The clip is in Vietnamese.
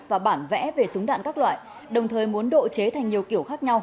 tân đặt bản vẽ về súng đạn các loại đồng thời muốn độ chế thành nhiều kiểu khác nhau